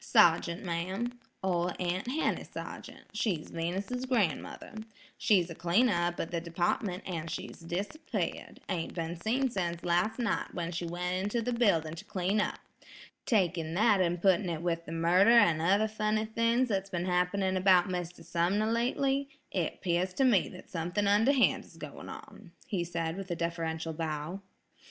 "Sergeant, ma'am, Ol' Aunt Henny Sargeant, she's Venus's gran'mother. She's a cleaner up at the department, an' she's disappeared; ain't been seen sense last night, when she went into the building to clean up. Taking that an' putting it with the murder an' other funny things that's been happening about Mr. Sumner lately, it 'pears to me that something underhand is going on," he said with a deferential bow.